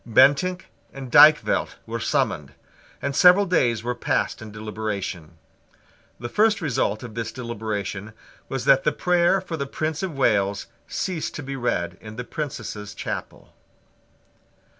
Bentinck and Dykvelt were summoned, and several days were passed in deliberation. The first result of this deliberation was that the prayer for the Prince of Wales ceased to be read in the Princess's chapel.